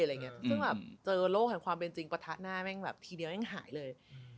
ซึ่งแบบเจอโลกแห่งความเป็นจริงปะทะหน้าแม่งแบบทีเดียวแม่งหายเลย